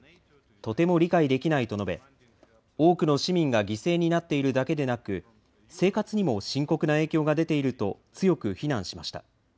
とても理解できないと述べ、多くの市民が犠牲になっているだけでなく、生活にも深刻な影響が出ていると、強く非難しました。